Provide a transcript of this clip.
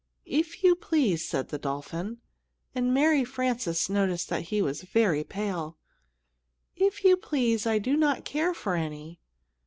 "If you please," said the dolphin, and Mary Frances noticed that he was very pale, "if you please, I do not care for any.